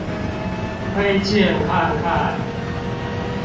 推薦看看。